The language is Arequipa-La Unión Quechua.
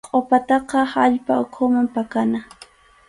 Qʼupataqa allpa ukhuman pakana.